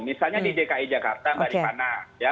misalnya di dki jakarta mbak rifana